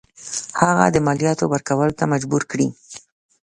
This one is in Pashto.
هغه د مالیاتو ورکولو ته مجبور کړي.